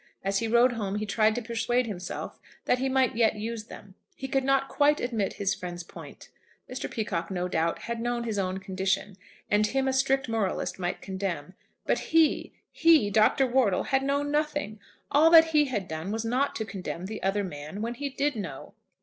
As he rode home he tried to persuade himself that he might yet use them. He could not quite admit his friend's point. Mr. Peacocke, no doubt, had known his own condition, and him a strict moralist might condemn. But he, he, Dr. Wortle, had known nothing. All that he had done was not to condemn the other man when he did know!